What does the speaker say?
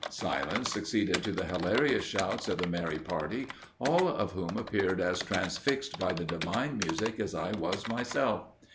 Silence succeeded to the hilarious shouts of the merry party, all of whom seemed as transfixed by the divine music as I was myself.